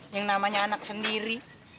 yang namanya anak sendiri